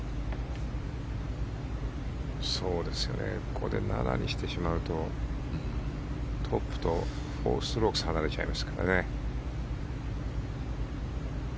ここで７にしてしまうとトップと４ストローク差離れちゃいますからね。